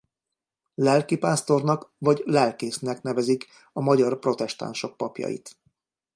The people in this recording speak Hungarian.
Lelkipásztornak vagy lelkésznek nevezik a magyar protestánsok papjait.